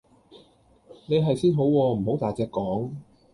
你係先好喎,唔好大隻講